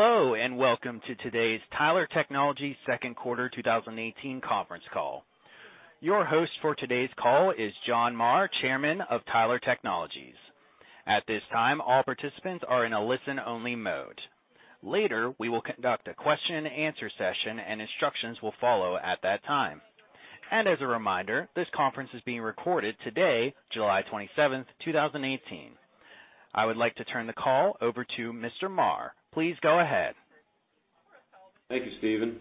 Hello, welcome to today's Tyler Technologies second quarter 2018 conference call. Your host for today's call is John Marr, Chairman of Tyler Technologies. At this time, all participants are in a listen-only mode. Later, we will conduct a question and answer session, and instructions will follow at that time. As a reminder, this conference is being recorded today, July 27th, 2018. I would like to turn the call over to Mr. Marr. Please go ahead. Thank you, Steven.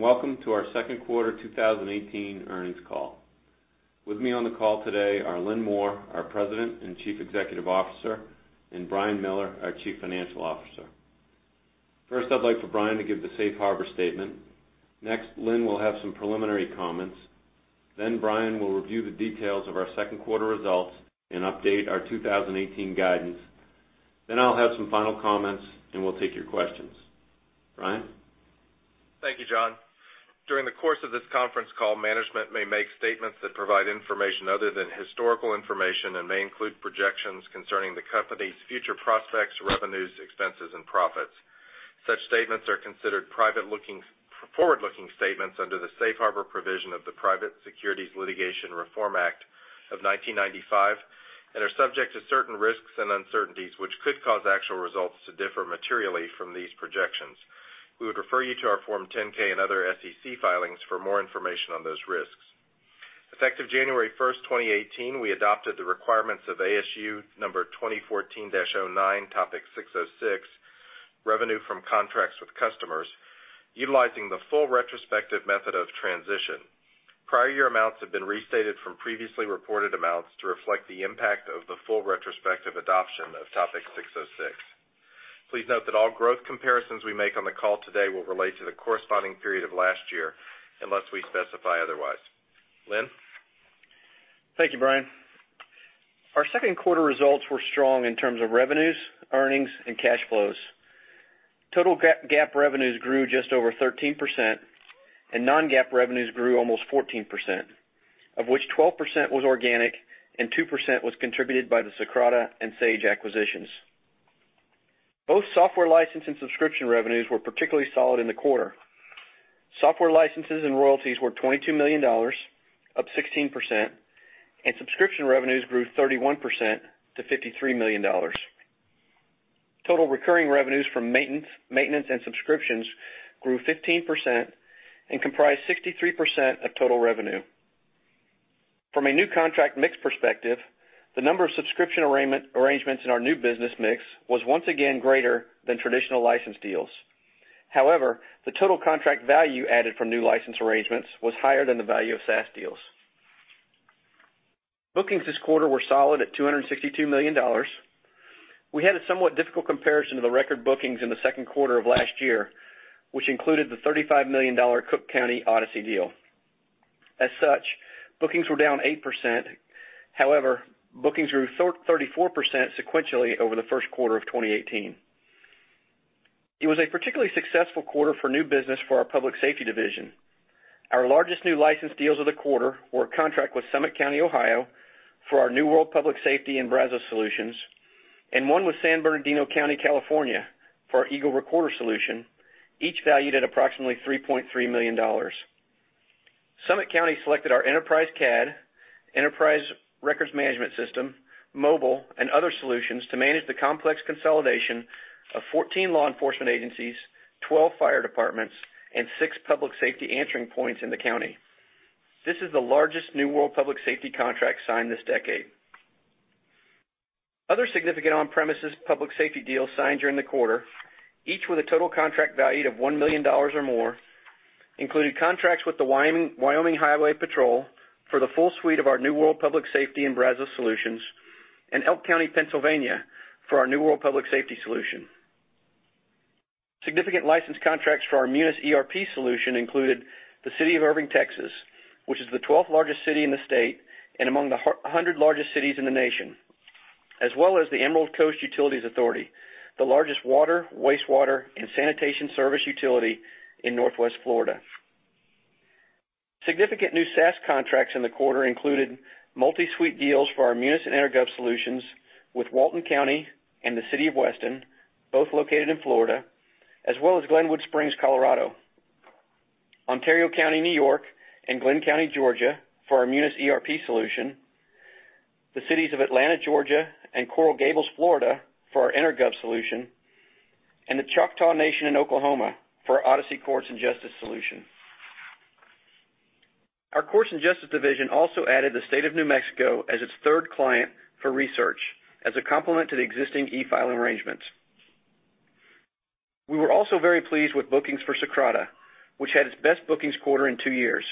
Welcome to our second quarter 2018 earnings call. With me on the call today are Lynn Moore, our President and Chief Executive Officer, and Brian Miller, our Chief Financial Officer. First, I'd like for Brian to give the safe harbor statement. Next, Lynn will have some preliminary comments. Brian will review the details of our second quarter results and update our 2018 guidance. I'll have some final comments, and we'll take your questions. Brian? Thank you, John. During the course of this conference call, management may make statements that provide information other than historical information and may include projections concerning the company's future prospects, revenues, expenses, and profits. Such statements are considered forward-looking statements under the safe harbor provision of the Private Securities Litigation Reform Act of 1995 and are subject to certain risks and uncertainties, which could cause actual results to differ materially from these projections. We would refer you to our Form 10-K and other SEC filings for more information on those risks. Effective January 1st, 2018, we adopted the requirements of ASU 2014-09, Topic 606, Revenue from Contracts with Customers, utilizing the full retrospective method of transition. Prior year amounts have been restated from previously reported amounts to reflect the impact of the full retrospective adoption of Topic 606. Please note that all growth comparisons we make on the call today will relate to the corresponding period of last year, unless we specify otherwise. Lynn? Thank you, Brian. Our second quarter results were strong in terms of revenues, earnings, and cash flows. Total GAAP revenues grew just over 13%, and non-GAAP revenues grew almost 14%, of which 12% was organic and 2% was contributed by the Socrata and Sage acquisitions. Both software license and subscription revenues were particularly solid in the quarter. Software licenses and royalties were $22 million, up 16%, and subscription revenues grew 31% to $53 million. Total recurring revenues from maintenance and subscriptions grew 15% and comprised 63% of total revenue. From a new contract mix perspective, the number of subscription arrangements in our new business mix was once again greater than traditional license deals. The total contract value added from new license arrangements was higher than the value of SaaS deals. Bookings this quarter were solid at $262 million. We had a somewhat difficult comparison to the record bookings in the second quarter of last year, which included the $35 million Cook County Odyssey deal. Bookings were down 8%. Bookings grew 34% sequentially over the first quarter of 2018. It was a particularly successful quarter for new business for our Public Safety division. Our largest new license deals of the quarter were a contract with Summit County, Ohio, for our New World Public Safety and Brazos solutions, and one with San Bernardino County, California, for our Eagle Recorder solution, each valued at approximately $3.3 million. Summit County selected our Enterprise CAD, Enterprise Records Management system, Mobile, and other solutions to manage the complex consolidation of 14 law enforcement agencies, 12 fire departments, and 6 public safety answering points in the county. This is the largest New World Public Safety contract signed this decade. Other significant on-premises public safety deals signed during the quarter, each with a total contract valued of $1 million or more, included contracts with the Wyoming Highway Patrol for the full suite of our New World Public Safety and Brazos solutions, and Elk County, Pennsylvania, for our New World Public Safety solution. Significant license contracts for our Munis ERP solution included the City of Irving, Texas, which is the 12th largest city in the state and among the 100 largest cities in the nation, as well as the Emerald Coast Utilities Authority, the largest water, wastewater, and sanitation service utility in Northwest Florida. Significant new SaaS contracts in the quarter included multi-suite deals for our Munis and Intergov solutions with Walton County and the City of Weston, both located in Florida, as well as Glenwood Springs, Colorado. Ontario County, New York, and Glynn County, Georgia, for our Munis ERP solution. The cities of Atlanta, Georgia, and Coral Gables, Florida, for our Intergov solution, and the Choctaw Nation in Oklahoma for our Odyssey Courts & Justice solution. Our Courts & Justice division also added the State of New Mexico as its third client for research as a complement to the existing eFile arrangements. We were also very pleased with bookings for Socrata, which had its best bookings quarter in two years.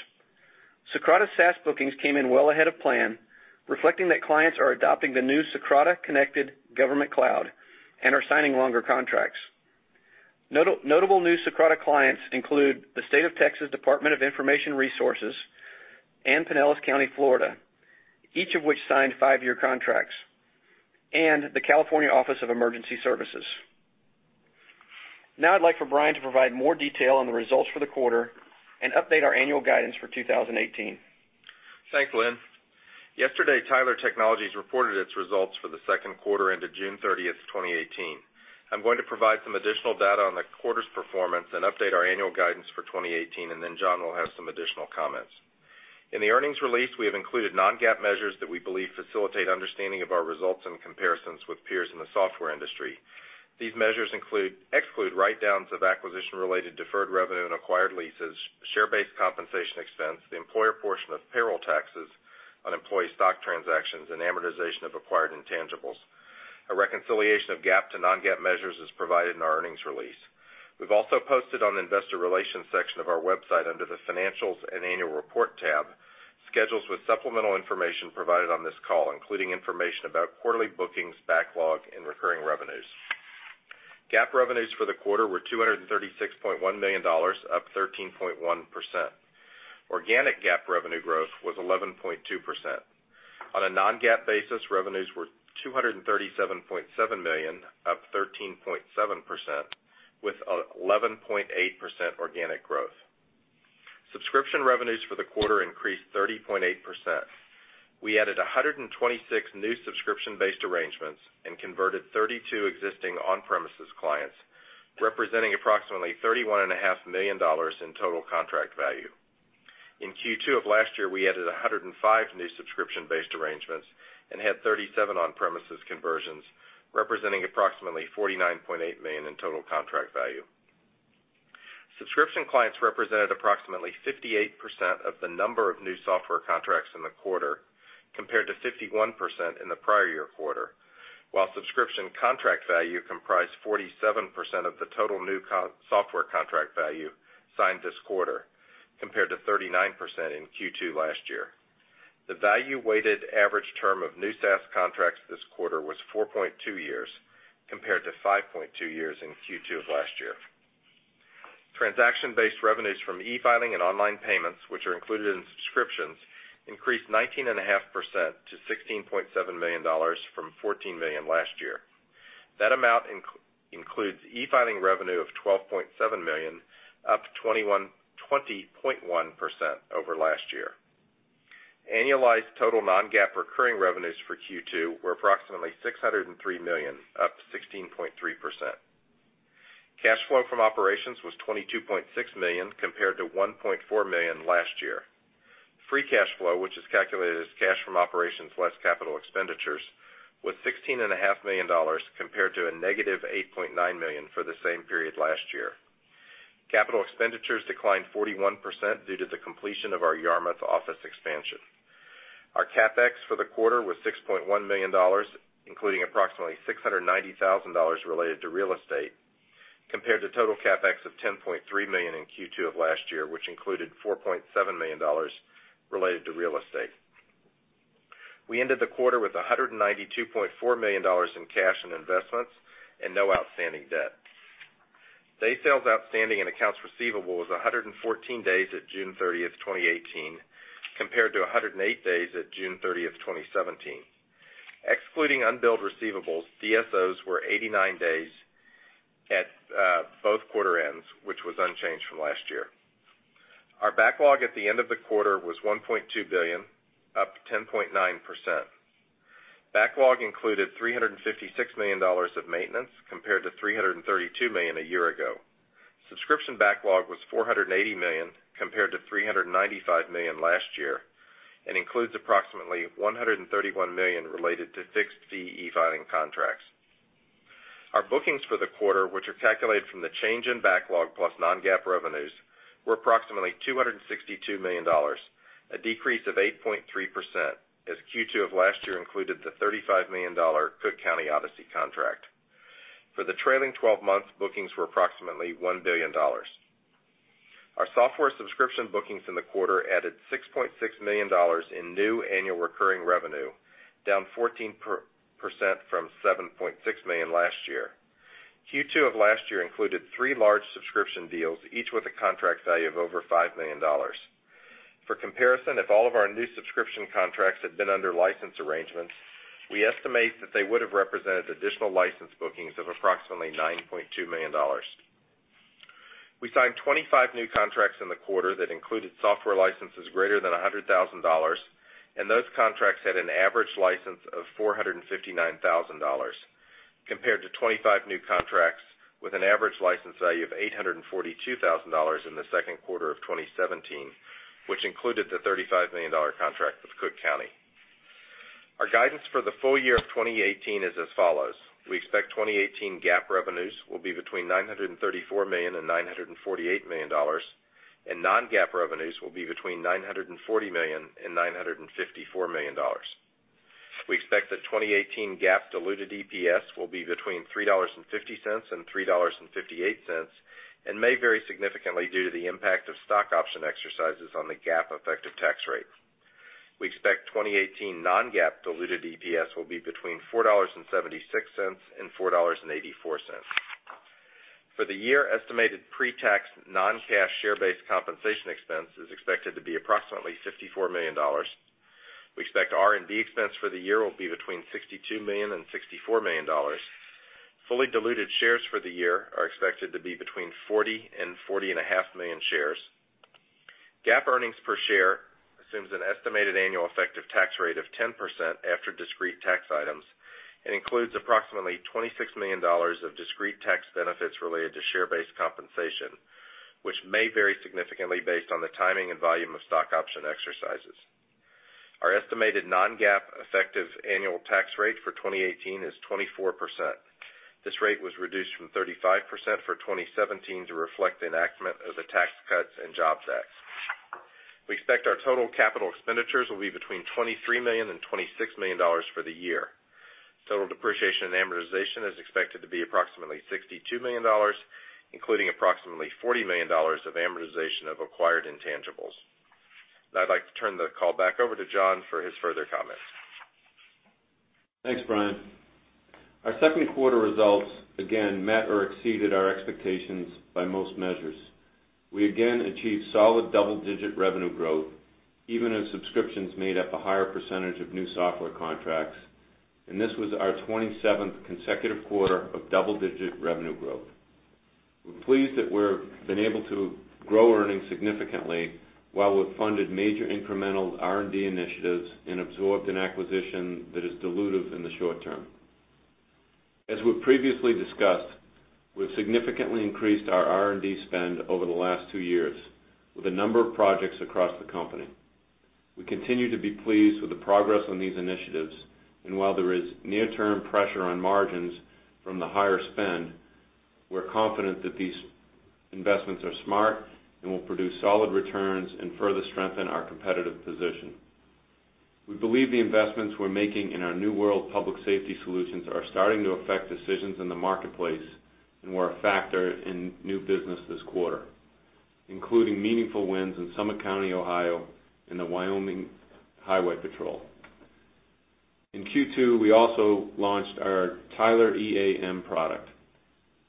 Socrata SaaS bookings came in well ahead of plan, reflecting that clients are adopting the new Socrata Connected Government Cloud and are signing longer contracts. Notable new Socrata clients include the State of Texas Department of Information Resources and Pinellas County, Florida, each of which signed five-year contracts, and the California Office of Emergency Services. I'd like for Brian to provide more detail on the results for the quarter and update our annual guidance for 2018. Thanks, Lynn. Yesterday, Tyler Technologies reported its results for the second quarter into June 30, 2018. I'm going to provide some additional data on the quarter's performance and update our annual guidance for 2018. Then John will have some additional comments. In the earnings release, we have included non-GAAP measures that we believe facilitate understanding of our results and comparisons with peers in the software industry. These measures exclude write-downs of acquisition-related deferred revenue and acquired leases, share-based compensation expense, the employer portion of payroll taxes on employee stock transactions, and amortization of acquired intangibles. A reconciliation of GAAP to non-GAAP measures is provided in our earnings release. We've also posted on the investor relations section of our website, under the Financials and Annual Report tab, schedules with supplemental information provided on this call, including information about quarterly bookings, backlog, and recurring revenues. GAAP revenues for the quarter were $236.1 million, up 13.1%. Organic GAAP revenue growth was 11.2%. On a non-GAAP basis, revenues were $237.7 million, up 13.7%, with 11.8% organic growth. Subscription revenues for the quarter increased 30.8%. We added 126 new subscription-based arrangements and converted 32 existing on-premises clients, representing approximately $31.5 million in total contract value. In Q2 of last year, we added 105 new subscription-based arrangements and had 37 on-premises conversions, representing approximately $49.8 million in total contract value. Subscription clients represented approximately 58% of the number of new software contracts in the quarter, compared to 51% in the prior year quarter, while subscription contract value comprised 47% of the total new software contract value signed this quarter, compared to 39% in Q2 last year. The value-weighted average term of new SaaS contracts this quarter was 4.2 years, compared to 5.2 years in Q2 of last year. Transaction-based revenues from e-filing and online payments, which are included in subscriptions, increased 19.5% to $16.7 million from $14 million last year. That amount includes e-filing revenue of $12.7 million, up 20.1% over last year. Annualized total non-GAAP recurring revenues for Q2 were approximately $603 million, up 16.3%. Cash flow from operations was $22.6 million, compared to $1.4 million last year. Free cash flow, which is calculated as cash from operations less Capital Expenditures, was $16.5 million, compared to a negative $8.9 million for the same period last year. Capital Expenditures declined 41% due to the completion of our Yarmouth office expansion. Our CapEx for the quarter was $6.1 million, including approximately $690,000 related to real estate, compared to total CapEx of $10.3 million in Q2 of last year, which included $4.7 million related to real estate. We ended the quarter with $192.4 million in cash and investments and no outstanding debt. Days Sales Outstanding and accounts receivable was 114 days at June 30, 2018, compared to 108 days at June 30, 2017. Excluding unbilled receivables, DSOs were 89 days at both quarter ends, which was unchanged from last year. Our backlog at the end of the quarter was $1.2 billion, up 10.9%. Backlog included $356 million of maintenance compared to $332 million a year ago. Subscription backlog was $480 million compared to $395 million last year and includes approximately $131 million related to fixed fee e-filing contracts. Our bookings for the quarter, which are calculated from the change in backlog plus non-GAAP revenues, were approximately $262 million, a decrease of 8.3% as Q2 of last year included the $35 million Cook County Odyssey contract. For the trailing 12 months, bookings were approximately $1 billion. Our software subscription bookings in the quarter added $6.6 million in new annual recurring revenue, down 14% from $7.6 million last year. Q2 of last year included three large subscription deals, each with a contract value of over $5 million. For comparison, if all of our new subscription contracts had been under license arrangements, we estimate that they would have represented additional license bookings of approximately $9.2 million. We signed 25 new contracts in the quarter that included software licenses greater than $100,000. Those contracts had an average license of $459,000, compared to 25 new contracts with an average license value of $842,000 in the second quarter of 2017, which included the $35 million contract with Cook County. Our guidance for the full year of 2018 is as follows. We expect 2018 GAAP revenues will be between $934 million and $948 million. Non-GAAP revenues will be between $940 million and $954 million. We expect that 2018 GAAP diluted EPS will be between $3.50 and $3.58 and may vary significantly due to the impact of stock option exercises on the GAAP effective tax rate. We expect 2018 non-GAAP diluted EPS will be between $4.76 and $4.84. For the year, estimated pre-tax non-cash share-based compensation expense is expected to be approximately $54 million. We expect R&D expense for the year will be between $62 million and $64 million. Fully diluted shares for the year are expected to be between 40 and 40 and a half million shares. GAAP earnings per share assumes an estimated annual effective tax rate of 10% after discrete tax items and includes approximately $26 million of discrete tax benefits related to share-based compensation, which may vary significantly based on the timing and volume of stock option exercises. Our estimated non-GAAP effective annual tax rate for 2018 is 24%. This rate was reduced from 35% for 2017 to reflect the enactment of the Tax Cuts and Jobs Act. We expect our total capital expenditures will be between $23 million and $26 million for the year. Total depreciation and amortization is expected to be approximately $62 million, including approximately $40 million of amortization of acquired intangibles. Now I'd like to turn the call back over to John for his further comments. Thanks, Brian. Our second quarter results again met or exceeded our expectations by most measures. We again achieved solid double-digit revenue growth, even as subscriptions made up a higher percentage of new software contracts. This was our 27th consecutive quarter of double-digit revenue growth. We're pleased that we've been able to grow earnings significantly while we've funded major incremental R&D initiatives and absorbed an acquisition that is dilutive in the short term. As we've previously discussed, we've significantly increased our R&D spend over the last two years with a number of projects across the company. We continue to be pleased with the progress on these initiatives. While there is near-term pressure on margins from the higher spend, we're confident that these investments are smart and will produce solid returns and further strengthen our competitive position. We believe the investments we're making in our New World Public Safety solutions are starting to affect decisions in the marketplace and were a factor in new business this quarter, including meaningful wins in Summit County, Ohio, and the Wyoming Highway Patrol. In Q2, we also launched our Tyler EAM product.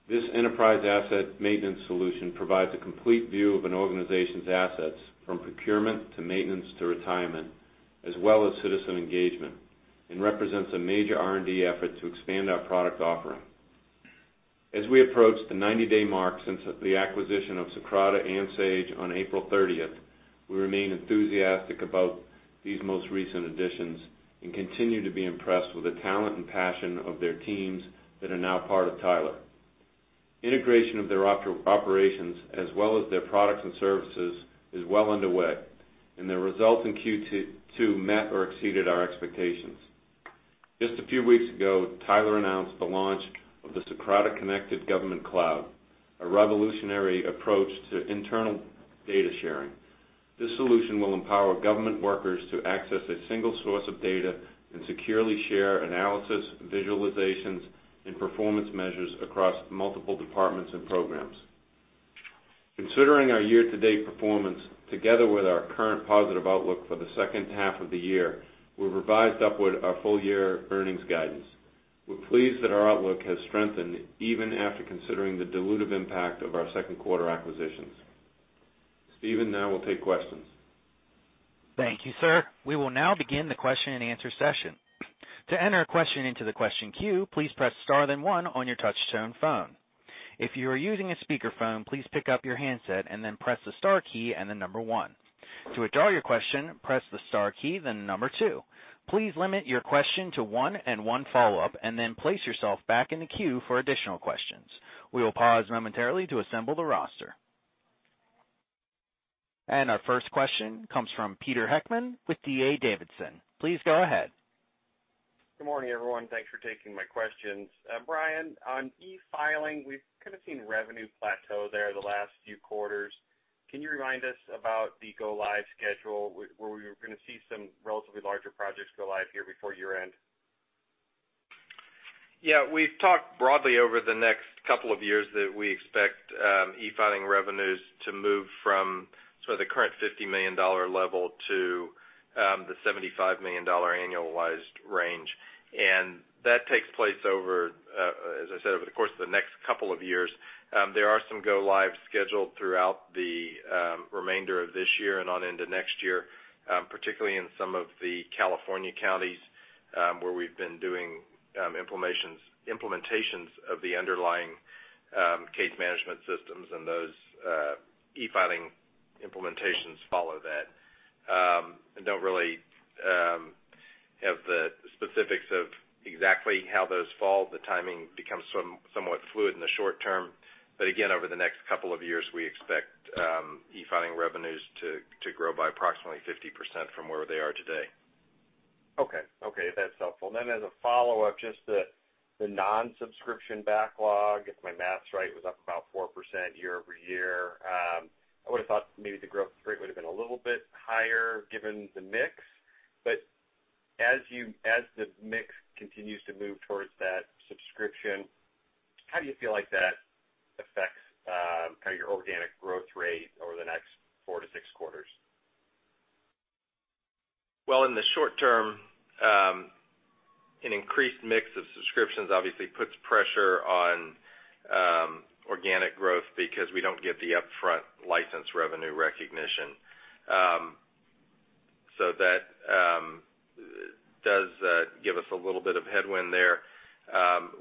This enterprise asset maintenance solution provides a complete view of an organization's assets, from procurement to maintenance to retirement, as well as citizen engagement, and represents a major R&D effort to expand our product offering. As we approach the 90-day mark since the acquisition of Socrata and Sage on April 30th, we remain enthusiastic about these most recent additions and continue to be impressed with the talent and passion of their teams that are now part of Tyler. Integration of their operations as well as their products and services is well underway, and the results in Q2 met or exceeded our expectations. Just a few weeks ago, Tyler announced the launch of the Socrata Connected Government Cloud, a revolutionary approach to internal data sharing. This solution will empower government workers to access a single source of data and securely share analysis, visualizations, and performance measures across multiple departments and programs. Considering our year-to-date performance, together with our current positive outlook for the second half of the year, we revised upward our full-year earnings guidance. Steven, now we'll take questions. Thank you, sir. We will now begin the question and answer session. To enter a question into the question queue, please press star then one on your touch-tone phone. If you are using a speakerphone, please pick up your handset and then press the star key and the number one. To withdraw your question, press the star key, then number two. Please limit your question to one and one follow-up, and then place yourself back in the queue for additional questions. We will pause momentarily to assemble the roster. Our first question comes from Peter Heckmann with D.A. Davidson. Please go ahead. Good morning, everyone. Thanks for taking my questions. Brian, on e-filing, we've kind of seen revenue plateau there the last few quarters. Can you remind us about the go-live schedule, where we were going to see some relatively larger projects go live here before year-end? Yeah. We've talked broadly over the next couple of years that we expect e-filing revenues to move from sort of the current $50 million level to the $75 million annualized range. That takes place over, as I said, over the course of the next couple of years. There are some go-lives scheduled throughout the remainder of this year and on into next year, particularly in some of the California counties, where we've been doing implementations of the underlying case management systems and those e-filing implementations follow that. I don't really have the specifics of exactly how those fall. The timing becomes somewhat fluid in the short term, but again, over the next couple of years, we expect e-filing revenues to grow by approximately 50% from where they are today. Okay. That's helpful. As a follow-up, just the non-subscription backlog, if my math's right, was up about 4% year-over-year. I would have thought maybe the growth rate would have been a little bit higher given the mix. As the mix continues to move towards that subscription, how do you feel like that affects kind of your organic growth rate over the next 4-6 quarters? Well, in the short term, an increased mix of subscriptions obviously puts pressure on organic growth because we don't get the upfront license revenue recognition. That does give us a little bit of headwind there.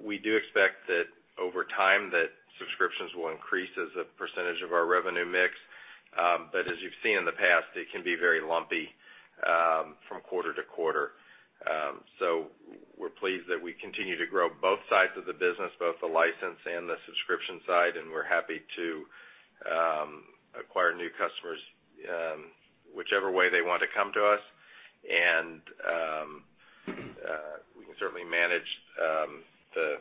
We do expect that over time, that subscriptions will increase as a percentage of our revenue mix. As you've seen in the past, it can be very lumpy from quarter-to-quarter. We're pleased that we continue to grow both sides of the business, both the license and the subscription side, and we're happy to acquire new customers whichever way they want to come to us. We can certainly manage the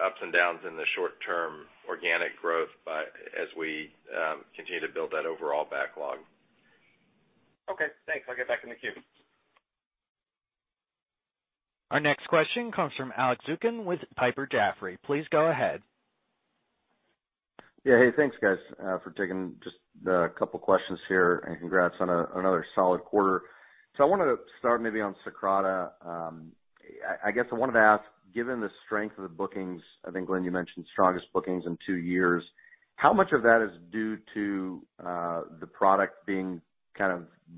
ups and downs in the short term organic growth as we continue to build that overall backlog. Okay, thanks. I'll get back in the queue. Our next question comes from Alex Zukin with Piper Jaffray. Please go ahead. Yeah. Hey, thanks guys for taking just a couple of questions here. Congrats on another solid quarter. I wanted to start maybe on Socrata. I guess I wanted to ask, given the strength of the bookings, I think, Lynn, you mentioned strongest bookings in two years, how much of that is due to the product being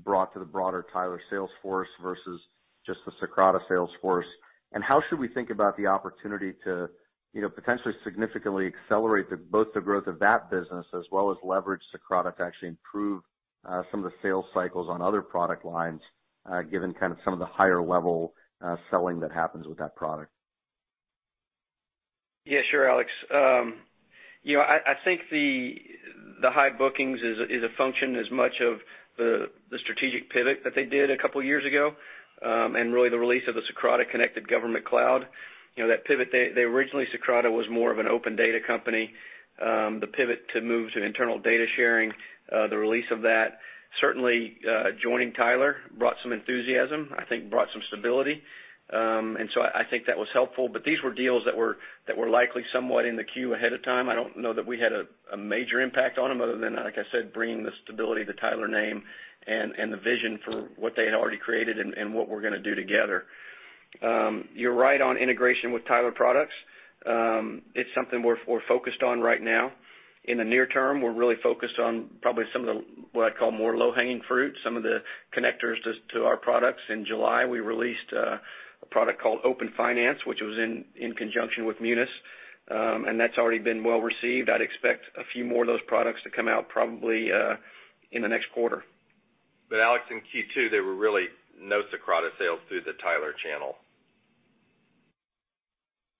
brought to the broader Tyler sales force versus just the Socrata sales force? How should we think about the opportunity to potentially significantly accelerate both the growth of that business as well as leverage Socrata to actually improve some of the sales cycles on other product lines given some of the higher level selling that happens with that product? Yeah, sure, Alex. I think the high bookings is a function as much of the strategic pivot that they did a couple of years ago, and really the release of the Socrata Connected Government Cloud. Originally, Socrata was more of an open data company. The pivot to move to internal data sharing, the release of that, certainly joining Tyler brought some enthusiasm, I think brought some stability. I think that was helpful, but these were deals that were likely somewhat in the queue ahead of time. I don't know that we had a major impact on them other than, like I said, bringing the stability of the Tyler name and the vision for what they had already created and what we're going to do together. You're right on integration with Tyler products. It's something we're focused on right now. In the near term, we're really focused on probably some of the, what I'd call more low-hanging fruit, some of the connectors to our products. In July, we released a product called Open Finance, which was in conjunction with Munis. That's already been well-received. I'd expect a few more of those products to come out probably in the next quarter. Alex, in Q2, there were really no Socrata sales through the Tyler channel.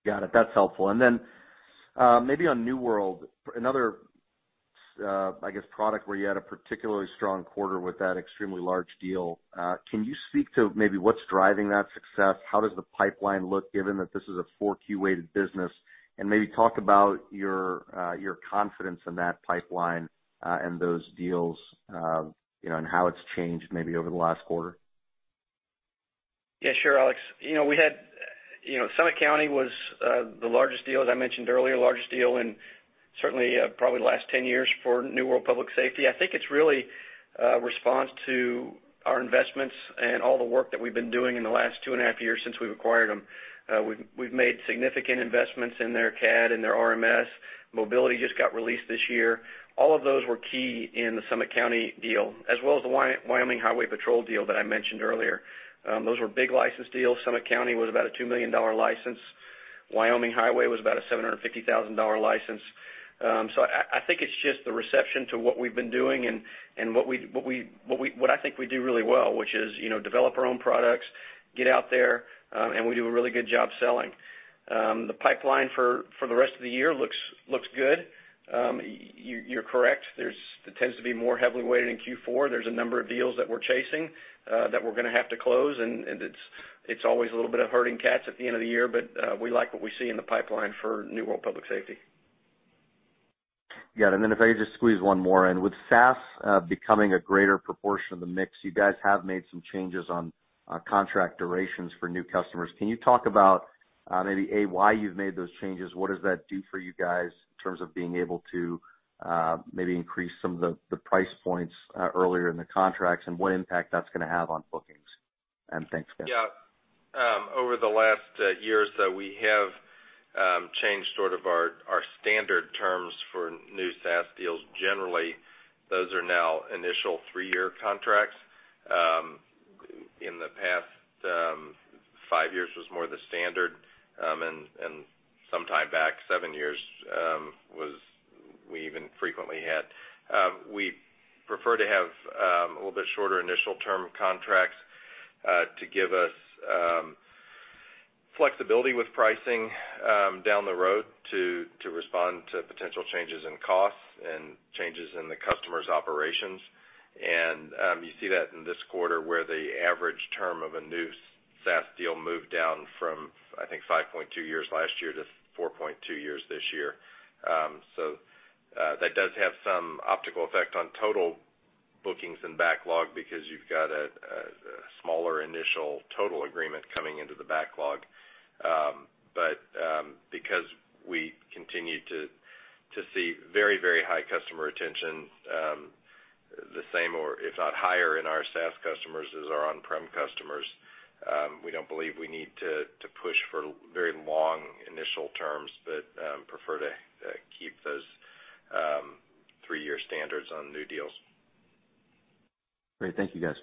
Got it. That's helpful. Maybe on New World, another, I guess product where you had a particularly strong quarter with that extremely large deal. Can you speak to maybe what's driving that success? How does the pipeline look given that this is a 4 Q-weighted business? Maybe talk about your confidence in that pipeline and those deals, and how it's changed maybe over the last quarter. Yeah, sure, Alex. Summit County was the largest deal, as I mentioned earlier, largest deal in certainly probably the last 10 years for New World Public Safety. I think it's really a response to our investments and all the work that we've been doing in the last two and a half years since we've acquired them. We've made significant investments in their CAD and their RMS. Mobility just got released this year. All of those were key in the Summit County deal, as well as the Wyoming Highway Patrol deal that I mentioned earlier. Those were big license deals. Summit County was about a $2 million license. Wyoming Highway was about a $750,000 license. I think it's just the reception to what we've been doing and what I think we do really well, which is develop our own products, get out there, we do a really good job selling. The pipeline for the rest of the year looks good. You're correct, it tends to be more heavily weighted in Q4. There's a number of deals that we're chasing that we're going to have to close, it's always a little bit of herding cats at the end of the year, we like what we see in the pipeline for New World Public Safety. Got it. Then if I could just squeeze one more in. With SaaS becoming a greater proportion of the mix, you guys have made some changes on contract durations for new customers. Can you talk about maybe, A, why you've made those changes? What does that do for you guys in terms of being able to maybe increase some of the price points earlier in the contracts, and what impact that's going to have on bookings? Thanks, guys. Yeah. Over the last year or so, we have changed sort of our standard terms for new SaaS deals. Generally, those are now initial three-year contracts. In the past, five years was more the standard, and sometime back, seven years, we even frequently had. We prefer to have a little bit shorter initial term contracts to give us flexibility with pricing down the road to respond to potential changes in costs and changes in the customer's operations. You see that in this quarter where the average term of a new SaaS deal moved down from, I think, 5.2 years last year to 4.2 years this year. That does have some optical effect on total bookings and backlog because you've got a smaller initial total agreement coming into the backlog. Because we continue to see very high customer retention The same or if not higher in our SaaS customers as our on-prem customers. We don't believe we need to push for very long initial terms, prefer to keep those three-year standards on new deals. Great. Thank you, guys.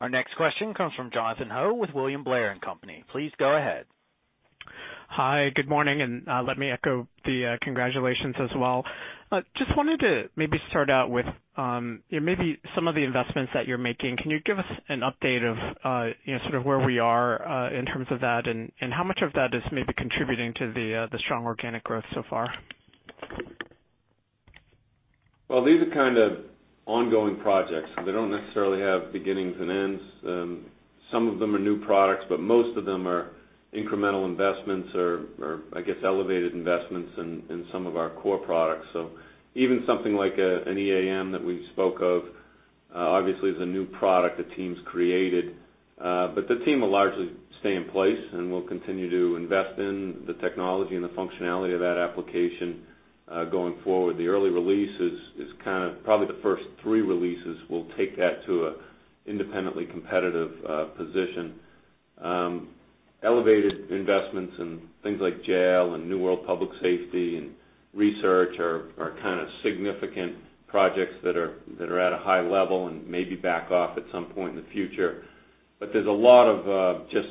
Our next question comes from Jonathan Ho with William Blair & Company. Please go ahead. Hi, good morning, let me echo the congratulations as well. Just wanted to maybe start out with maybe some of the investments that you're making. Can you give us an update of sort of where we are, in terms of that, and how much of that is maybe contributing to the strong organic growth so far? These are kind of ongoing projects. They don't necessarily have beginnings and ends. Some of them are new products, but most of them are incremental investments or I guess, elevated investments in some of our core products. Even something like an EAM that we spoke of, obviously is a new product the team's created. The team will largely stay in place, and we'll continue to invest in the technology and the functionality of that application, going forward. The early release is probably the first three releases will take that to an independently competitive position. Elevated investments in things like Jail and New World Public Safety and Research are kind of significant projects that are at a high level and maybe back off at some point in the future. There's a lot of just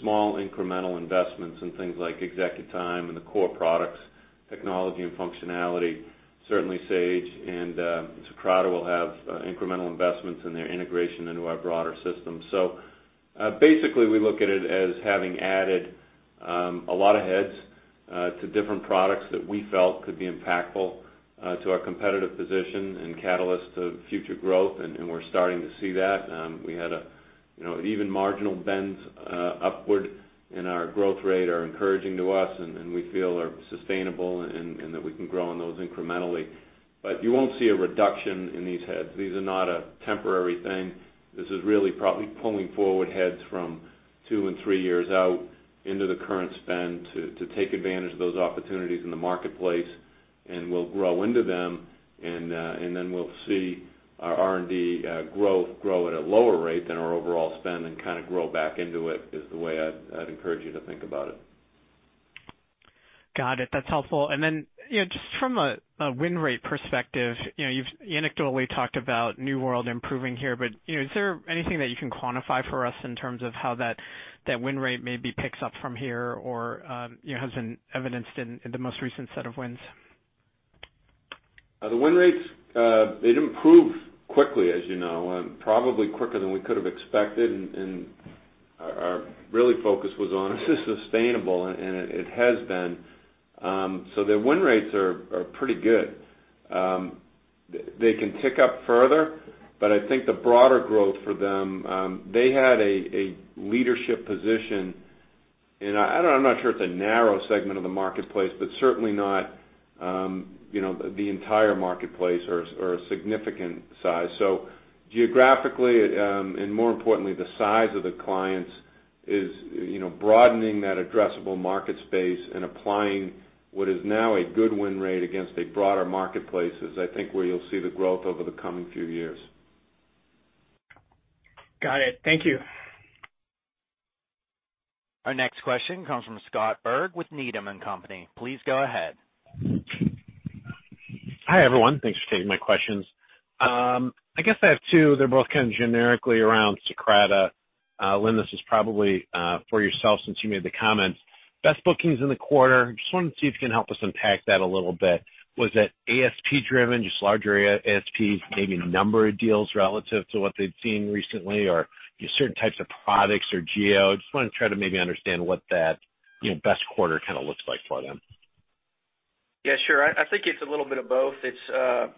small incremental investments in things like ExecuTime and the core products, technology and functionality. Certainly Sage and Socrata will have incremental investments in their integration into our broader system. Basically, we look at it as having added a lot of heads to different products that we felt could be impactful to our competitive position and catalyst to future growth, and we're starting to see that. We had even marginal bends upward in our growth rate are encouraging to us, and we feel are sustainable and that we can grow on those incrementally. You won't see a reduction in these heads. These are not a temporary thing. This is really probably pulling forward heads from two and three years out into the current spend to take advantage of those opportunities in the marketplace, and we'll grow into them. We'll see our R&D growth grow at a lower rate than our overall spend and kind of grow back into it, is the way I'd encourage you to think about it. Got it. That's helpful. Just from a win rate perspective, you've anecdotally talked about New World improving here, but is there anything that you can quantify for us in terms of how that win rate maybe picks up from here or has been evidenced in the most recent set of wins? The win rates, they'd improve quickly, as you know, and probably quicker than we could have expected, and our, really, focus was on is it sustainable, and it has been. The win rates are pretty good. They can tick up further, but I think the broader growth for them, they had a leadership position in, I'm not sure it's a narrow segment of the marketplace, but certainly not the entire marketplace or a significant size. Geographically, and more importantly, the size of the clients is broadening that addressable market space and applying what is now a good win rate against a broader marketplace is, I think, where you'll see the growth over the coming few years. Got it. Thank you. Our next question comes from Scott Berg with Needham & Company. Please go ahead. Hi, everyone. Thanks for taking my questions. I guess I have two, they're both kind of generically around Socrata. Lynn, this is probably for yourself since you made the comment. Best bookings in the quarter, just wanted to see if you can help us unpack that a little bit. Was it ASP driven, just larger ASP, maybe number of deals relative to what they've seen recently or certain types of products or geos? Just want to try to maybe understand what that best quarter kind of looks like for them. Yeah, sure. I think it's a little bit of both. I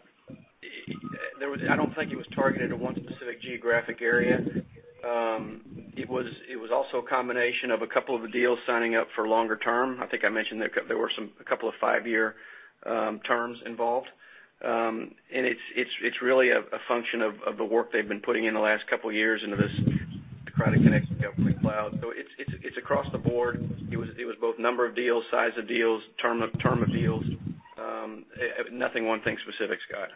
don't think it was targeted at one specific geographic area. It was also a combination of a couple of the deals signing up for longer term. I think I mentioned there were a couple of 5-year terms involved. It's really a function of the work they've been putting in the last couple of years into this Socrata Connected Government Cloud. It's across the board. It was both number of deals, size of deals, term of deals. Nothing one thing specific, Scott.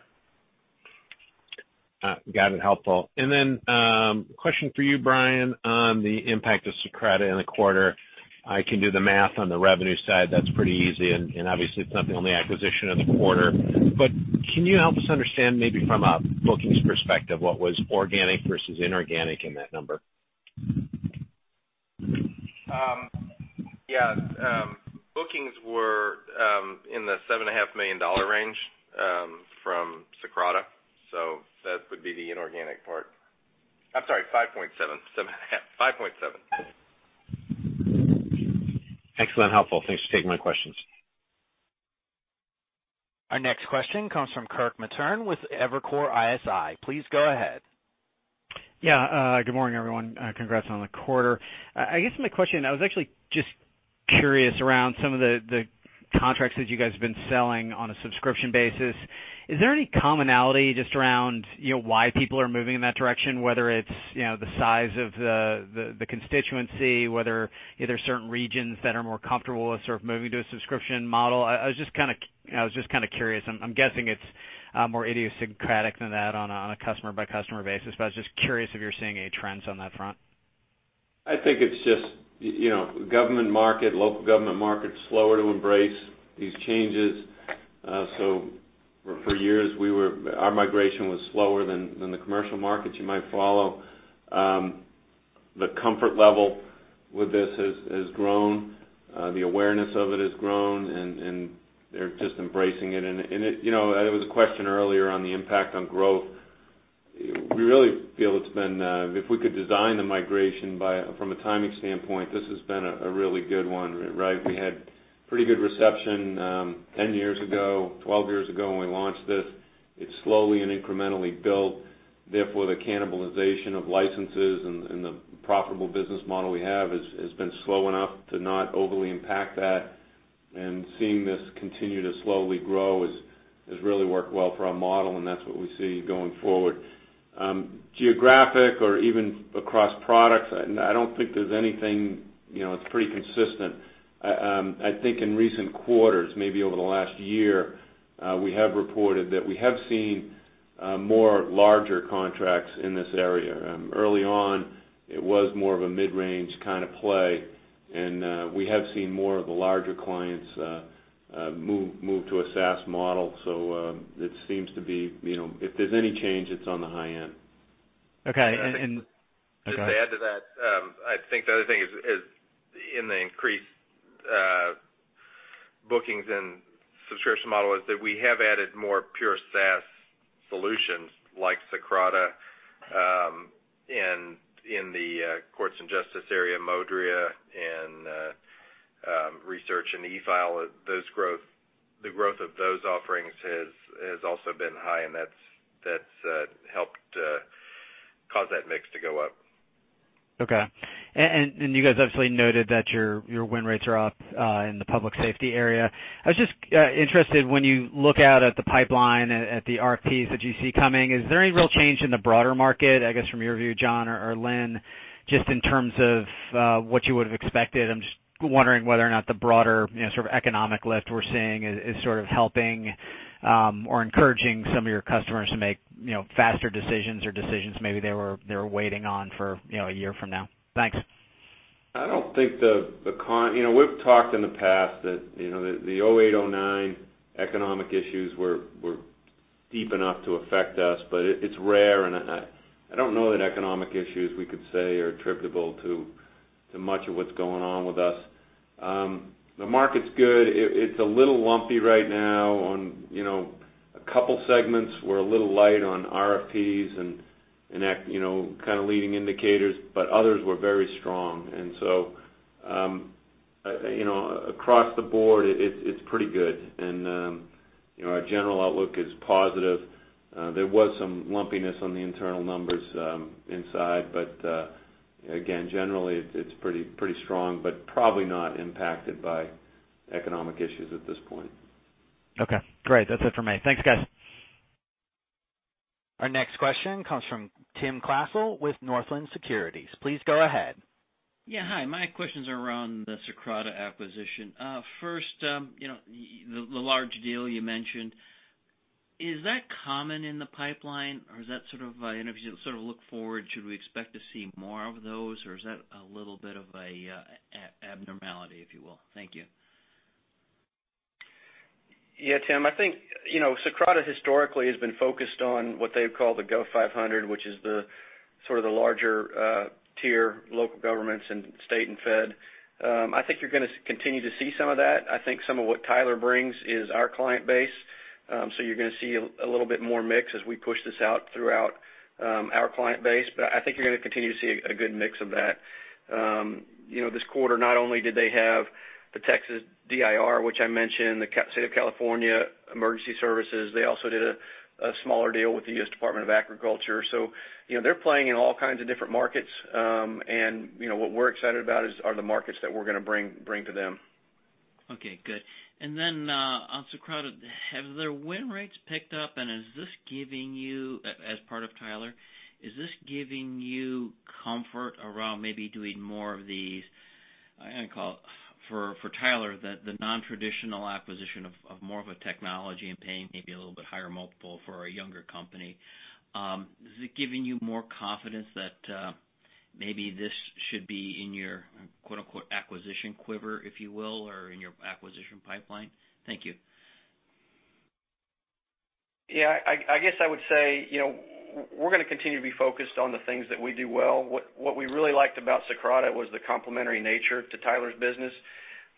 Got it. Helpful. Then, question for you, Brian, on the impact of Socrata in the quarter. I can do the math on the revenue side, that's pretty easy, and obviously it's not the only acquisition of the quarter. Can you help us understand maybe from a bookings perspective, what was organic versus inorganic in that number? Yeah. Bookings were in the $7.5 million range from Socrata. I'm sorry, 5.7. 5.7. Excellent. Helpful. Thanks for taking my questions. Our next question comes from Kirk Materne with Evercore ISI. Please go ahead. Yeah, good morning, everyone. Congrats on the quarter. I was actually just curious around some of the contracts that you guys have been selling on a subscription basis. Is there any commonality just around why people are moving in that direction, whether it's the size of the constituency, whether there's certain regions that are more comfortable with sort of moving to a subscription model? I was just kind of curious. I'm guessing more idiosyncratic than that on a customer-by-customer basis, but I was just curious if you're seeing any trends on that front. I think it's just government market, local government market, slower to embrace these changes. For years, our migration was slower than the commercial markets you might follow. The comfort level with this has grown. The awareness of it has grown, and they're just embracing it. There was a question earlier on the impact on growth. We really feel if we could design the migration from a timing standpoint, this has been a really good one. We had pretty good reception 10 years ago, 12 years ago, when we launched this. It slowly and incrementally built, therefore the cannibalization of licenses and the profitable business model we have has been slow enough to not overly impact that. Seeing this continue to slowly grow has really worked well for our model, and that's what we see going forward. Geographic or even across products, I don't think there's anything. It's pretty consistent. I think in recent quarters, maybe over the last year, we have reported that we have seen more larger contracts in this area. Early on, it was more of a mid-range kind of play, and we have seen more of the larger clients move to a SaaS model. If there's any change, it's on the high end. Okay. Just to add to that, I think the other thing is in the increased bookings and subscription model is that we have added more pure SaaS solutions like Socrata, and in the courts and justice area, Modria, and research and eFile, the growth of those offerings has also been high, and that's helped cause that mix to go up. Okay. You guys obviously noted that your win rates are up in the public safety area. I was just interested, when you look out at the pipeline, at the RFPs that you see coming, is there any real change in the broader market, I guess from your view, John or Lynn, just in terms of what you would've expected? I'm just wondering whether or not the broader sort of economic lift we're seeing is sort of helping or encouraging some of your customers to make faster decisions or decisions maybe they were waiting on for a year from now. Thanks. We've talked in the past that the 2008, 2009 economic issues were deep enough to affect us. It's rare. I don't know that economic issues we could say are attributable to much of what's going on with us. The market's good. It's a little lumpy right now on a couple segments. We're a little light on RFPs and kind of leading indicators. Others were very strong. Across the board, it's pretty good. Our general outlook is positive. There was some lumpiness on the internal numbers inside. Again, generally, it's pretty strong, probably not impacted by economic issues at this point. Okay, great. That's it for me. Thanks, guys. Our next question comes from Tim Klasell with Northland Securities. Please go ahead. Yeah. Hi. My questions are around the Socrata acquisition. First, the large deal you mentioned, is that common in the pipeline, or is that sort of as you look forward, should we expect to see more of those, or is that a little bit of an abnormality, if you will? Thank you. Yeah, Tim. I think Socrata historically has been focused on what they would call the Gov 500, which is the sort of the larger tier local governments and state and fed. I think you're going to continue to see some of that. I think some of what Tyler brings is our client base. You're going to see a little bit more mix as we push this out throughout our client base. I think you're going to continue to see a good mix of that. This quarter, not only did they have the Texas DIR, which I mentioned, the State of California Emergency Services, they also did a smaller deal with the U.S. Department of Agriculture. They're playing in all kinds of different markets, and what we're excited about are the markets that we're going to bring to them. Okay, good. Then on Socrata, have their win rates picked up, and as part of Tyler, is this giving you comfort around maybe doing more of these, I call for Tyler, the nontraditional acquisition of more of a technology and paying maybe a little bit higher multiple for a younger company. Is it giving you more confidence that maybe this should be in your "acquisition quiver," if you will, or in your acquisition pipeline? Thank you. Yeah. I guess I would say we're going to continue to be focused on the things that we do well. What we really liked about Socrata was the complementary nature to Tyler's business.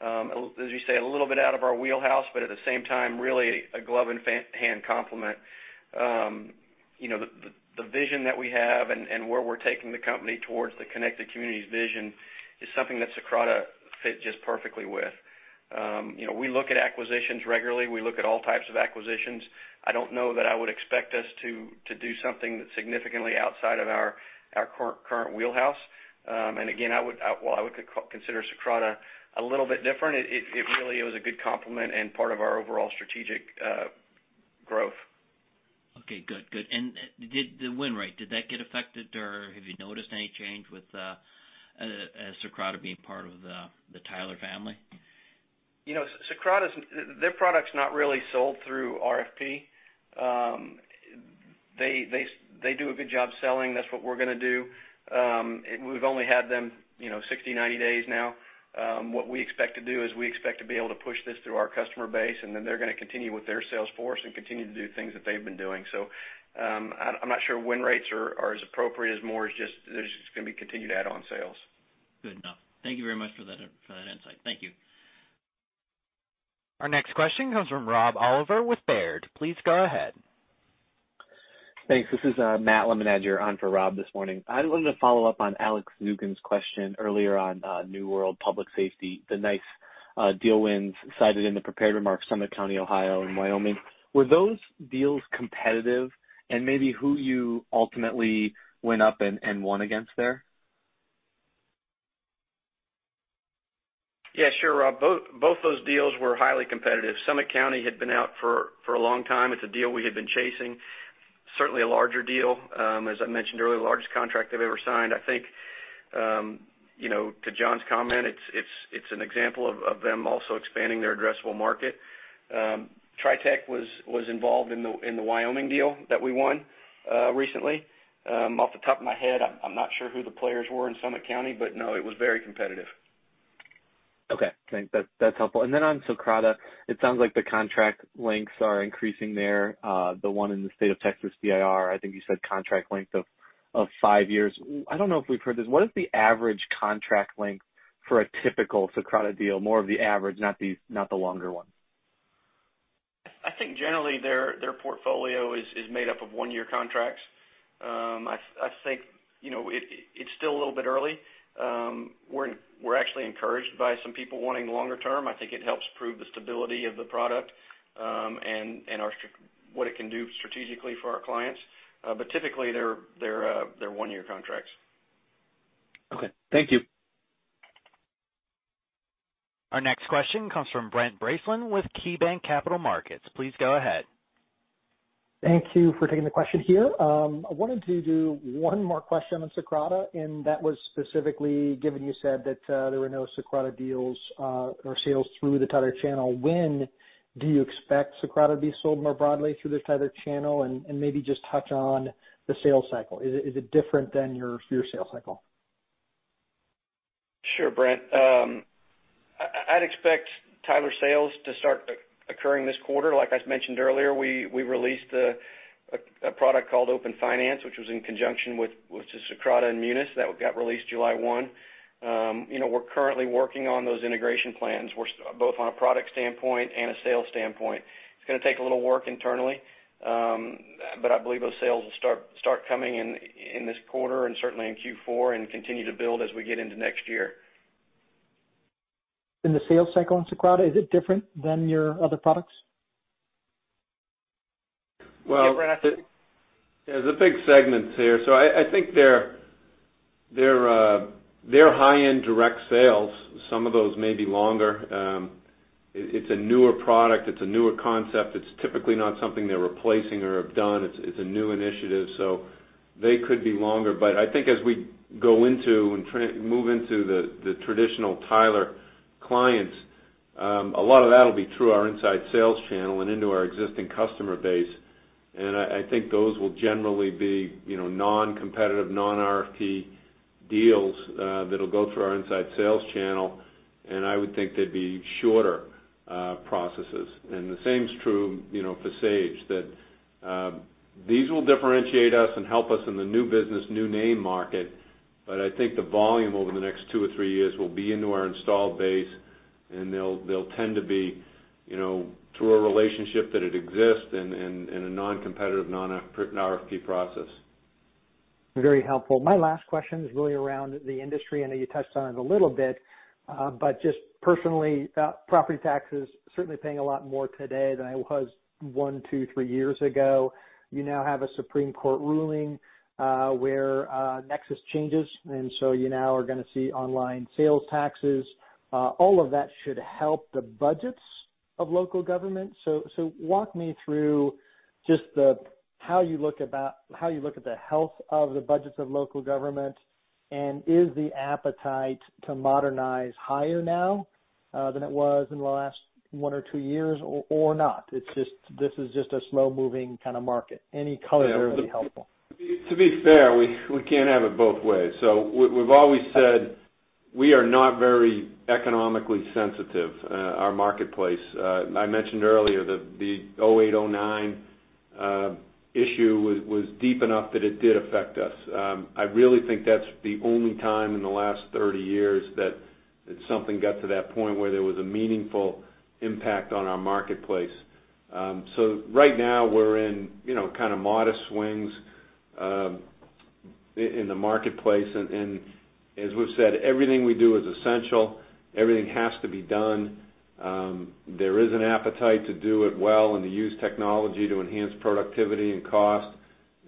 As you say, a little bit out of our wheelhouse, at the same time, really a glove and hand complement. The vision that we have and where we're taking the company towards the Connected Communities Vision is something that Socrata fit just perfectly with. We look at acquisitions regularly. We look at all types of acquisitions. I don't know that I would expect us to do something that's significantly outside of our current wheelhouse. Again, while I would consider Socrata a little bit different, it really was a good complement and part of our overall strategic growth. Okay, good. Did the win rate, did that get affected, or have you noticed any change with Socrata being part of the Tyler family? Socrata, their product's not really sold through RFP. They do a good job selling. That's what we're going to do. We've only had them 60, 90 days now. What we expect to do is we expect to be able to push this through our customer base, and then they're going to continue with their sales force and continue to do things that they've been doing. I'm not sure win rates are as appropriate as more as just, there's just going to be continued add-on sales. Good enough. Thank you very much for that insight. Thank you. Our next question comes from Rob Oliver with Baird. Please go ahead. Thanks. This is Matt Lemenager on for Rob this morning. I wanted to follow up on Alex Zukin's question earlier on New World Public Safety, the nice deal wins cited in the prepared remarks, Summit County, Ohio, and Wyoming. Were those deals competitive? Maybe who you ultimately went up and won against there? Yeah, sure, Rob. Both those deals were highly competitive. Summit County had been out for a long time. It's a deal we had been chasing. Certainly a larger deal. As I mentioned earlier, the largest contract they've ever signed. I think, to John's comment, it's an example of them also expanding their addressable market. TriTech was involved in the Wyoming deal that we won recently. Off the top of my head, I'm not sure who the players were in Summit County, but no, it was very competitive. Okay. Thanks. That's helpful. Then on Socrata, it sounds like the contract lengths are increasing there. The one in the state of Texas DIR, I think you said contract length of 5 years. I don't know if we've heard this. What is the average contract length for a typical Socrata deal? More of the average, not the longer ones. I think generally, their portfolio is made up of one-year contracts. I think, it's still a little bit early. We're actually encouraged by some people wanting longer term. I think it helps prove the stability of the product, and what it can do strategically for our clients. Typically, they're one-year contracts. Okay. Thank you. Our next question comes from Brent Bracelin with KeyBanc Capital Markets. Please go ahead. Thank you for taking the question here. I wanted to do one more question on Socrata, that was specifically given you said that there were no Socrata deals or sales through the Tyler channel. When do you expect Socrata to be sold more broadly through the Tyler channel? Maybe just touch on the sales cycle. Is it different than your sales cycle? Sure, Brent. I'd expect Tyler sales to start occurring this quarter. Like I mentioned earlier, we released a product called Open Finance, which was in conjunction with Socrata and Munis, that got released July 1. We're currently working on those integration plans, both on a product standpoint and a sales standpoint. It's going to take a little work internally. I believe those sales will start coming in this quarter and certainly in Q4 and continue to build as we get into next year. The sales cycle on Socrata, is it different than your other products? Well- Yeah, Brent. There's big segments here. I think they're high-end direct sales. Some of those may be longer. It's a newer product. It's a newer concept. It's typically not something they're replacing or have done. It's a new initiative, so they could be longer. I think as we go into and move into the traditional Tyler clients, a lot of that'll be through our inside sales channel and into our existing customer base. I think those will generally be non-competitive, non-RFP deals that'll go through our inside sales channel, and I would think they'd be shorter processes. The same's true for Sage, that these will differentiate us and help us in the new business, new name market. I think the volume over the next two or three years will be into our installed base, and they'll tend to be through a relationship that it exists in a non-competitive, non-RFP process. Very helpful. My last question is really around the industry. I know you touched on it a little bit. Just personally, property taxes certainly paying a lot more today than it was one, two, three years ago. You now have a Supreme Court ruling, where Nexus changes, you now are going to see online sales taxes. All of that should help the budgets of local government. Walk me through just how you look at the health of the budgets of local government, and is the appetite to modernize higher now than it was in the last one or two years, or not? This is just a slow-moving kind of market. Any color there would be helpful. We can't have it both ways. We've always said we are not very economically sensitive, our marketplace. I mentioned earlier that the 2008, 2009 issue was deep enough that it did affect us. I really think that's the only time in the last 30 years that something got to that point where there was a meaningful impact on our marketplace. Right now, we're in kind of modest swings in the marketplace. As we've said, everything we do is essential. Everything has to be done. There is an appetite to do it well and to use technology to enhance productivity and cost.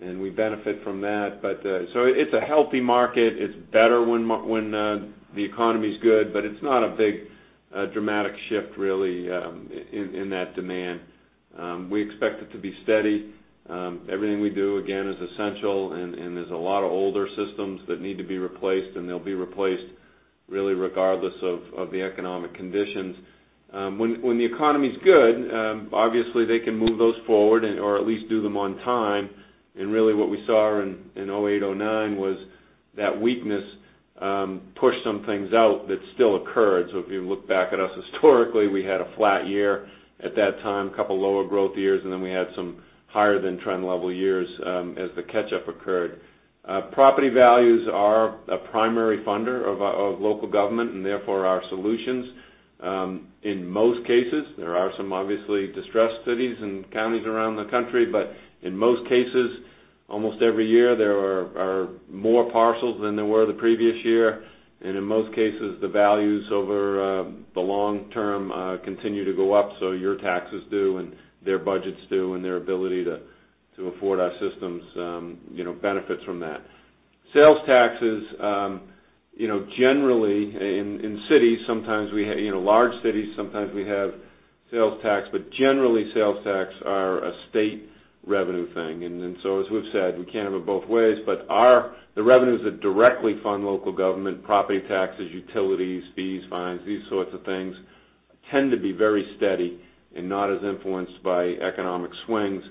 We benefit from that. It's a healthy market. It's better when the economy's good, but it's not a big dramatic shift, really, in that demand. We expect it to be steady. Everything we do, again, is essential, and there's a lot of older systems that need to be replaced, and they'll be replaced really regardless of the economic conditions. When the economy's good, obviously they can move those forward or at least do them on time. Really what we saw in 2008, 2009 was that weakness pushed some things out that still occurred. If you look back at us historically, we had a flat year at that time, couple lower growth years, and then we had some higher than trend level years as the catch-up occurred. Property values are a primary funder of local government and therefore our solutions, in most cases. There are some obviously distressed cities and counties around the country, but in most cases, almost every year, there are more parcels than there were the previous year. In most cases, the values over the long term continue to go up, so your taxes do and their budget's due and their ability to afford our systems benefits from that. Sales taxes, generally in cities, large cities, sometimes we have sales tax, but generally, sales tax are a state revenue thing. As we've said, we can't have it both ways, but the revenues that directly fund local government, property taxes, utilities, fees, fines, these sorts of things, tend to be very steady and not as influenced by economic swings.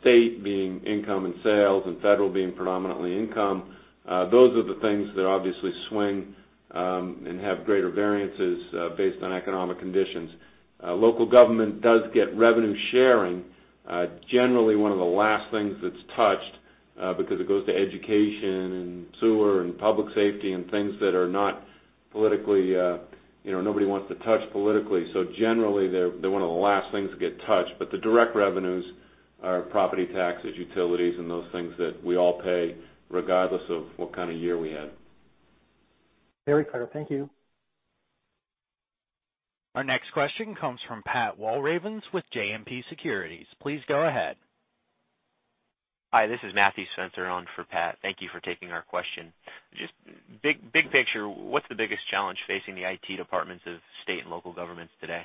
State being income and sales, and federal being predominantly income, those are the things that obviously swing, and have greater variances based on economic conditions. Local government does get revenue sharing. Generally, one of the last things that's touched, because it goes to education and sewer and public safety and things that are not politically nobody wants to touch politically. Generally, they're one of the last things to get touched. The direct revenues are property taxes, utilities, and those things that we all pay regardless of what kind of year we had. Very clear. Thank you. Our next question comes from Pat Walravens with JMP Securities. Please go ahead. Hi, this is Matthew Spencer on for Pat. Thank you for taking our question. Big picture, what's the biggest challenge facing the IT departments of state and local governments today?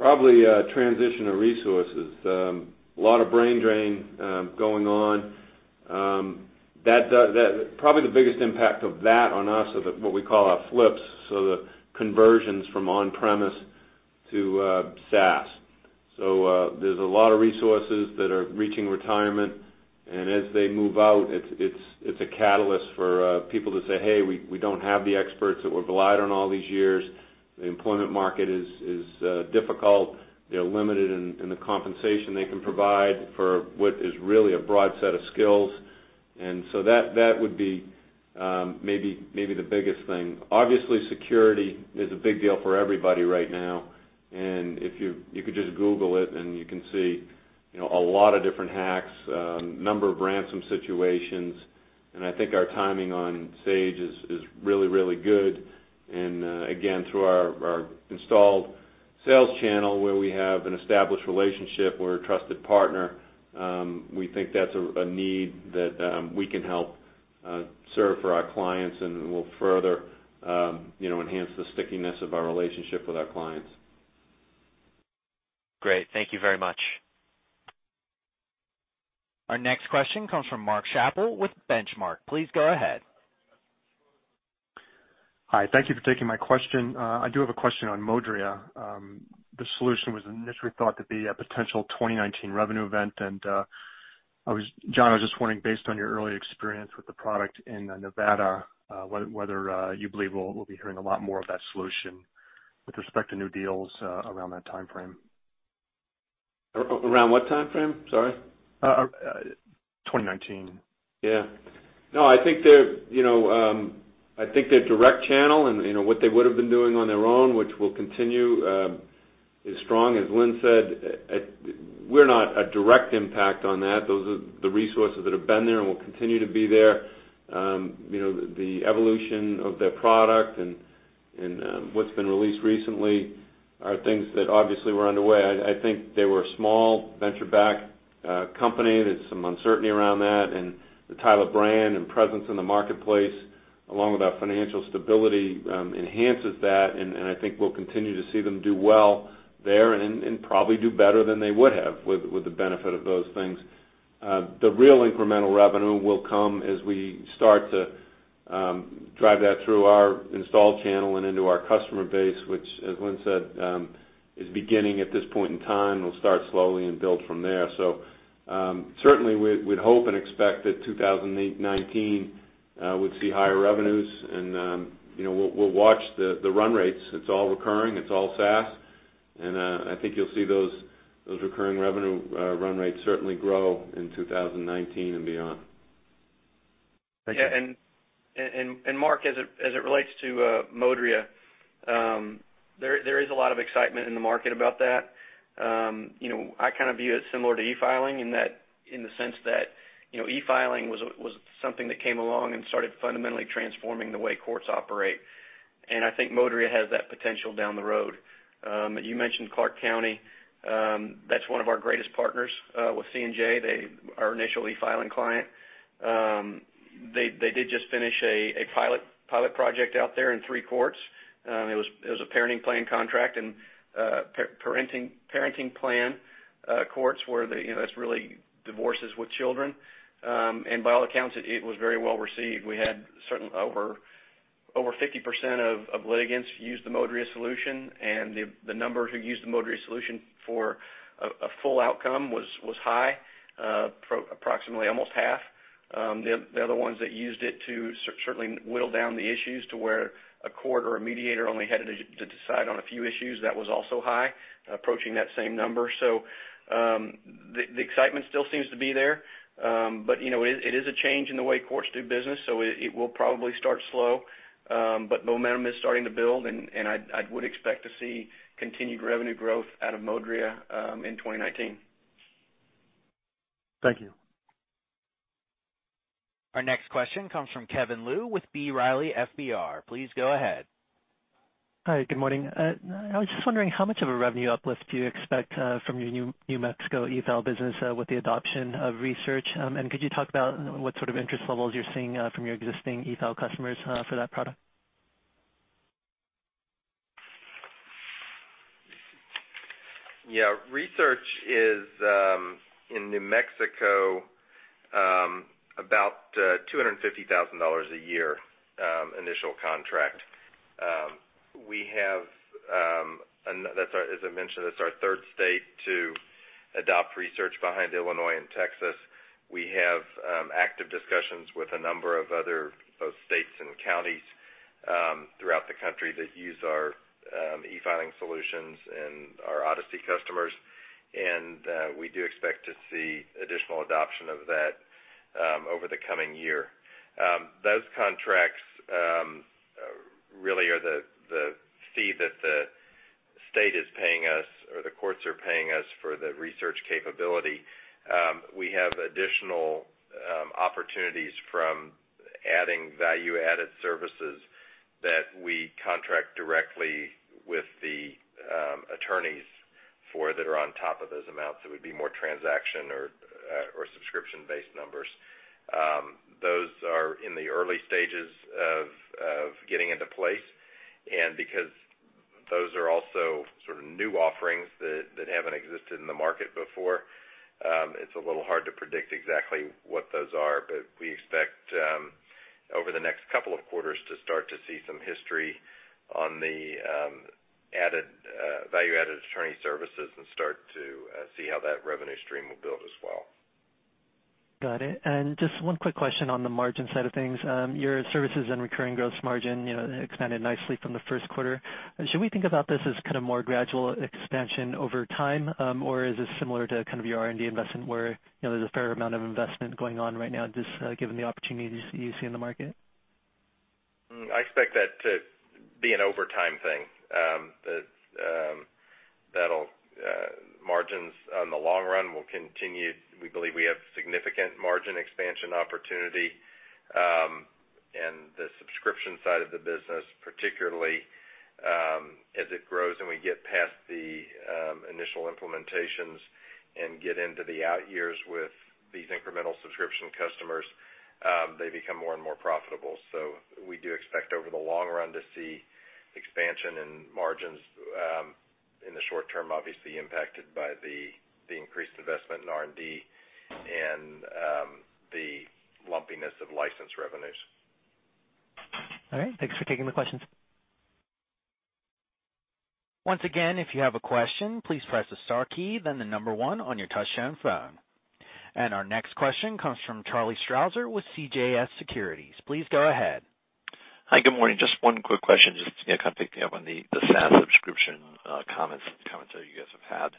Probably transition of resources. A lot of brain drain going on. Probably the biggest impact of that on us are what we call our flips, so the conversions from on-premise to SaaS. There's a lot of resources that are reaching retirement, and as they move out, it's a catalyst for people to say, "Hey, we don't have the experts that we've relied on all these years." The employment market is difficult. They're limited in the compensation they can provide for what is really a broad set of skills. That would be maybe the biggest thing. Obviously, security is a big deal for everybody right now. You could just Google it and you can see a lot of different hacks, a number of ransom situations. I think our timing on Sage is really, really good. Again, through our installed sales channel where we have an established relationship, we're a trusted partner, we think that's a need that we can help serve for our clients and will further enhance the stickiness of our relationship with our clients. Great. Thank you very much. Our next question comes from Mark Schappel with Benchmark. Please go ahead. Hi. Thank you for taking my question. I do have a question on Modria. The solution was initially thought to be a potential 2019 revenue event. John, I was just wondering, based on your early experience with the product in Nevada, whether you believe we'll be hearing a lot more of that solution with respect to new deals around that timeframe. Around what timeframe? Sorry. 2019. Yeah. I think their direct channel and what they would've been doing on their own, which will continue as strong as Lynn said, we're not a direct impact on that. Those are the resources that have been there and will continue to be there. The evolution of their product and what's been released recently are things that obviously were underway. I think they were a small venture-backed company. There's some uncertainty around that. The Tyler brand and presence in the marketplace, along with our financial stability, enhances that, and I think we'll continue to see them do well there and probably do better than they would have with the benefit of those things. The real incremental revenue will come as we start to drive that through our install channel and into our customer base, which as Lynn said, is beginning at this point in time. We'll start slowly and build from there. Certainly, we'd hope and expect that 2019 would see higher revenues and we'll watch the run rates. It's all recurring, it's all SaaS. I think you'll see those recurring revenue run rates certainly grow in 2019 and beyond. Thank you. Mark, as it relates to Modria, there is a lot of excitement in the market about that. I view it similar to e-filing in the sense that e-filing was something that came along and started fundamentally transforming the way courts operate. I think Modria has that potential down the road. You mentioned Clark County. That's one of our greatest partners. With C&J, they are an initial e-filing client. They did just finish a pilot project out there in three courts. It was a parenting plan contract and parenting plan courts where that's really divorces with children. By all accounts, it was very well-received. We had certain over 50% of litigants use the Modria solution, and the numbers who used the Modria solution for a full outcome was high, approximately almost half. The other ones that used it to certainly whittle down the issues to where a court or a mediator only had to decide on a few issues, that was also high, approaching that same number. The excitement still seems to be there. It is a change in the way courts do business, so it will probably start slow. Momentum is starting to build, and I would expect to see continued revenue growth out of Modria in 2019. Thank you. Our next question comes from Kevin Liu with B. Riley FBR. Please go ahead. Hi, good morning. I was just wondering how much of a revenue uplift do you expect from your New Mexico eFile business with the adoption of re:Search? Could you talk about what sort of interest levels you're seeing from your existing eFile customers for that product? Yeah. re:Search is, in New Mexico, about $250,000 a year initial contract. As I mentioned, that's our third state to adopt re:Search behind Illinois and Texas. We have active discussions with a number of other both states and counties throughout the country that use our e-filing solutions and our Odyssey customers, we do expect to see additional adoption of that over the coming year. Those contracts really are the fee that the state is paying us, or the courts are paying us for the re:Search capability. We have additional opportunities from adding value-added services that we contract directly with the attorneys for that are on top of those amounts. It would be more transaction or subscription-based numbers. Those are in the early stages of getting into place. Because those are also sort of new offerings that haven't existed in the market before, it's a little hard to predict exactly what those are. We expect over the next couple of quarters to start to see some history on the value-added attorney services and start to see how that revenue stream will build as well. Got it. Just one quick question on the margin side of things. Your services and recurring gross margin expanded nicely from the first quarter. Should we think about this as kind of more gradual expansion over time? Or is this similar to kind of your R&D investment, where there's a fair amount of investment going on right now, just given the opportunities you see in the market? I expect that to be an over-time thing. That margins on the long run will continue. We believe we have significant margin expansion opportunity. The subscription side of the business, particularly, as it grows and we get past the initial implementations and get into the out years with these incremental subscription customers, they become more and more profitable. We do expect over the long run to see expansion in margins, in the short term, obviously impacted by the increased investment in R&D and the lumpiness of licensed revenues. All right. Thanks for taking the questions. Once again, if you have a question, please press the star key, then the number one on your touchtone phone. Our next question comes from Charlie Strauzer with CJS Securities. Please go ahead. Hi, good morning. Just one quick question, just to kind of pick up on the SaaS subscription comments that you guys have had.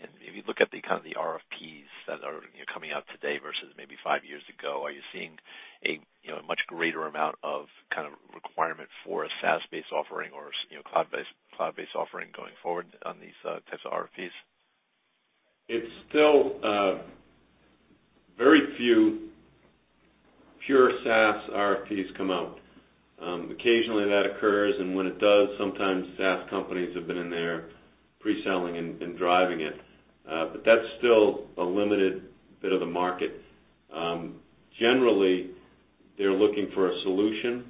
If you look at the kind of the RFPs that are coming out today versus maybe five years ago, are you seeing a much greater amount of kind of requirement for a SaaS-based offering or cloud-based offering going forward on these types of RFPs? It's still very few pure SaaS RFPs come out. Occasionally that occurs, and when it does, sometimes SaaS companies have been in there pre-selling and driving it. That's still a limited bit of the market. Generally, they're looking for a solution,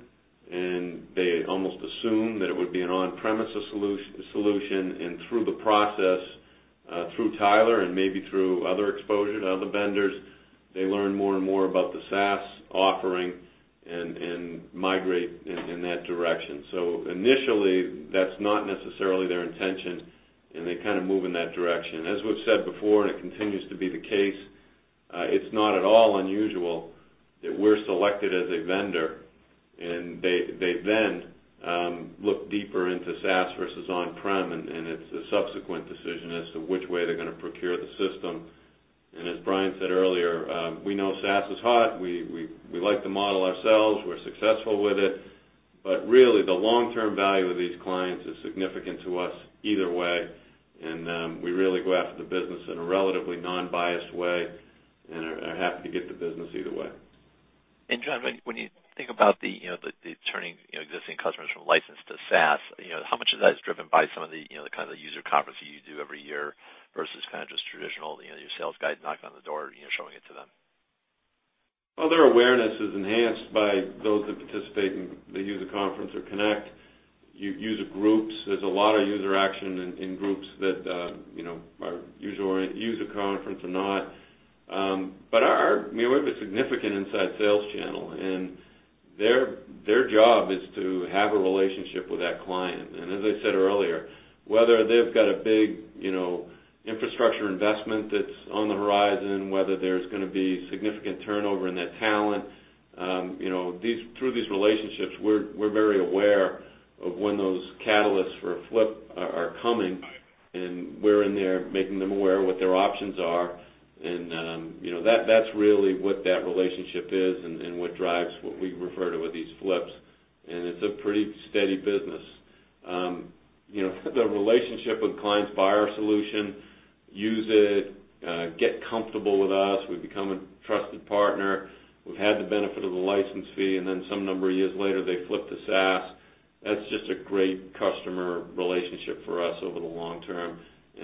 and they almost assume that it would be an on-premises solution. Through the process, through Tyler and maybe through other exposure to other vendors, they learn more and more about the SaaS offering and migrate in that direction. Initially, that's not necessarily their intention, and they kind of move in that direction. As we've said before, and it continues to be the case, it's not at all unusual that we're selected as a vendor, and they then look deeper into SaaS versus on-prem, and it's a subsequent decision as to which way they're going to procure the system. As Brian said earlier, we know SaaS is hard We like the model ourselves. We're successful with it. Really, the long-term value of these clients is significant to us either way, and we really go after the business in a relatively non-biased way and are happy to get the business either way. John, when you think about turning existing customers from licensed to SaaS, how much of that is driven by some of the kind of user conferences you do every year versus kind of just traditional, your sales guy knocking on the door, showing it to them? Well, their awareness is enhanced by those that participate in the user conference or connect user groups. There's a lot of user action in groups that are user conference or not. We have a significant inside sales channel, and their job is to have a relationship with that client. As I said earlier, whether they've got a big infrastructure investment that's on the horizon, whether there's going to be significant turnover in that talent, through these relationships, we're very aware of when those catalysts for a flip are coming, and we're in there making them aware of what their options are. That's really what that relationship is and what drives what we refer to with these flips. It's a pretty steady business. The relationship when clients buy our solution, use it, get comfortable with us, we become a trusted partner. We've had the benefit of the license fee, and then some number of years later, they flip to SaaS. That's just a great customer relationship for us over the long term,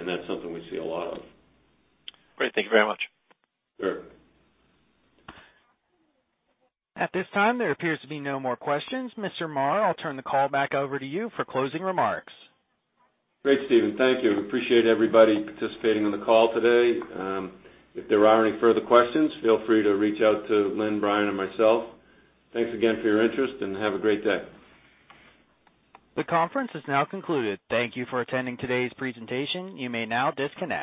that's something we see a lot of. Great. Thank you very much. Sure. At this time, there appears to be no more questions. Mr. Marr, I'll turn the call back over to you for closing remarks. Great, Steven. Thank you. Appreciate everybody participating on the call today. If there are any further questions, feel free to reach out to Lynn, Brian, or myself. Thanks again for your interest, and have a great day. The conference is now concluded. Thank you for attending today's presentation. You may now disconnect.